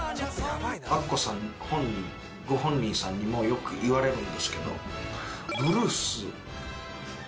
アッコさんご本人さんにもよく言われるんですけど。